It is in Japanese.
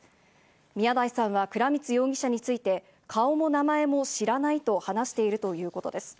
宮台さんは倉光容疑者について、顔も名前も知らないと話しているということです。